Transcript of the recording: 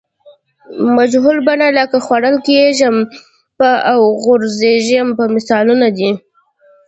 مجهول بڼه لکه خوړل کیږم به او غورځېږم به مثالونه دي.